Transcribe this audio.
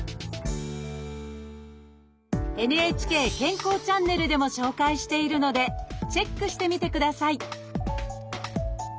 「ＮＨＫ健康チャンネル」でも紹介しているのでチェックしてみてください